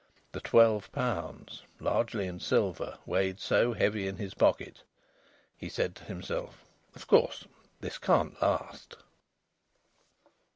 The twelve pounds, largely in silver, weighed so heavy in his pocket. He said to himself: "Of course this can't last!"